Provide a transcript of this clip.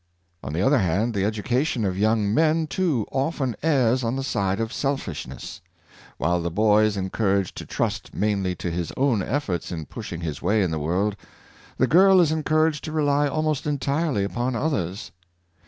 On the other hand, the education of young men too often errs on the side of selfishness. While the boy is encouraged to trust mainly to his own efforts in push ing his way in the world, the girl is encouraged to rely almost entirely upon others.